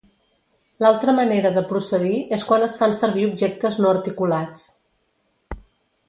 L'altra manera de procedir és quan es fan servir objectes no articulats.